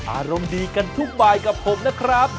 อารมณ์ดีกันทุกบายกับผมนะครับ